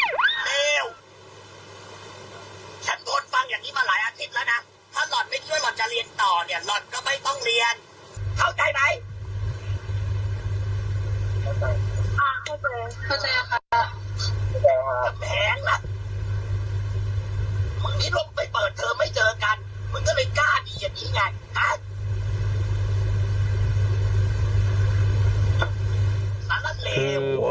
คุณแม่ค่ะมันมีลมที่ไปเปิดเติมไม่เจอกันแล้วก็เลยฟังแต่งอย่างนี้หน่อย